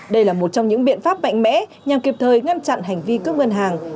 đây là một trong những biện pháp mạnh mẽ nhằm kịp thời ngăn chặn hành vi cướp ngân hàng